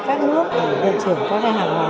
các nước để trưởng các hàng hóa